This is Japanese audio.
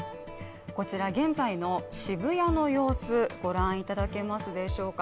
こちら、現在の渋谷の様子ご覧いただけますでしょうか。